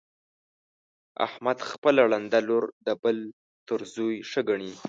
احمد خپله ړنده لور د بل تر زوی ښه ګڼي.